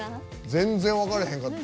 全然分かれへんかった。